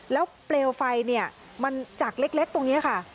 แล้วเปลวไฟมันจักเล็กตรงนี้ค่ะ